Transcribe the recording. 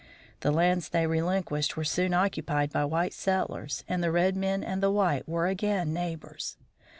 The lands they relinquished were soon occupied by white settlers, and the red men and the white were again neighbors.